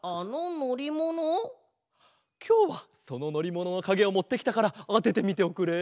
きょうはそののりもののかげをもってきたからあててみておくれ。